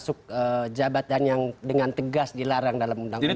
masuk jabatan yang dengan tegas dilarang dalam undang undang